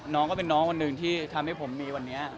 น้องก็เป็นน้องวันหนึ่งที่ทำให้ผมมีวันนี้